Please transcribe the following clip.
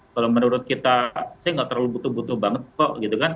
kalau menurut kita saya nggak terlalu butuh butuh banget kok gitu kan